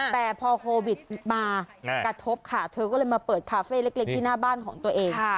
แต่พอโควิดมากระทบค่ะเธอก็เลยมาเปิดคาเฟ่เล็กที่หน้าบ้านของตัวเอง